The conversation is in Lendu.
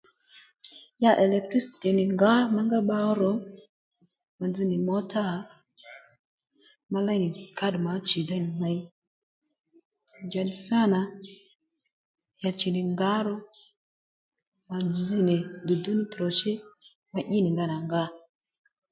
Ya elektrisiti nì ngǎ màdhí bba ó ro mà dzz nì mǒtálà ma léy nì káddùmà ó chì déy nì ney njàddí sâ nà ya chì nì ngǎ ro mà dzz nì dùdú ní tròshí mà í nì ndanà nga